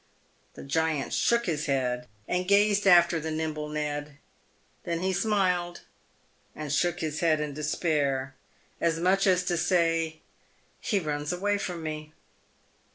The giant shook his head and gazed after the nimble Ned ; then he smiled and shook his head in despair, as much as to say, " He runs away from me."